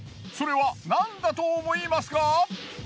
それは何だと思いますか？